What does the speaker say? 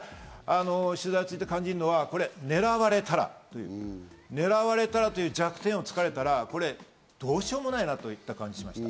取材を通じて感じるのは、狙われたら、狙われたらという弱点を突かれたら、どうしようもないといった感じがします。